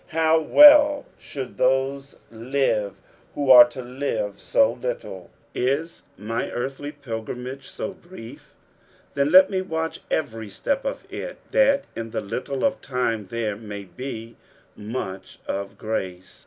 How well should those live who are to live so little 1 Is mj earthly pilgrimags so brief ? then let me watch every step of it, that in the little of time there may be much of grace.